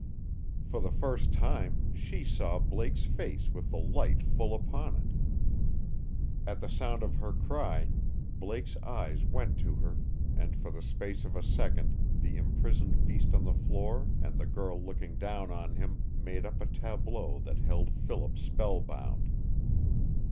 For the first time she saw Blake's face with the light full upon it. At the sound of her cry Blake's eyes went to her, and for the space of a second the imprisoned beast on the floor and the girl looking down on him made up a tableau that held Philip spellbound.